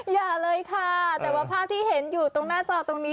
อย่าเลยค่ะแต่ว่าภาพที่เห็นอยู่ตรงหน้าจอตรงนี้